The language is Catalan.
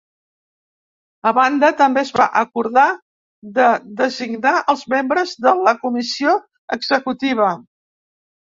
A banda, també es va acordar de designar els membres de la comissió executiva.